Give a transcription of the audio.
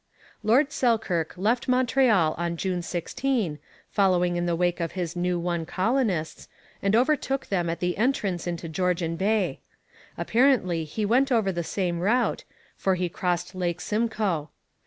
Lord Selkirk left Montreal on June 16, following in the wake of his new won colonists, and overtook them at the entrance into Georgian Bay. Apparently he went over the same route, for he crossed Lake Simcoe.